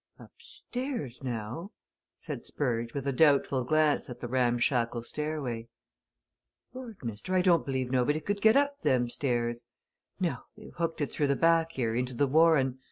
"Upstairs, now?" said Spurge with a doubtful glance at the ramshackle stairway. "Lord, mister! I don't believe nobody could get up them stairs! No they've hooked it through the back here, into the Warren.